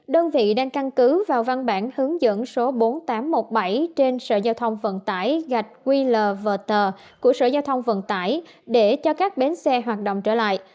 đơn vị đang căn cứ vào văn bản hướng dẫn số bốn nghìn tám trăm một mươi bảy trên sở giao thông vận tải gạch qlvt của sở giao thông vận tải để cho các bến xe hoạt động trở lại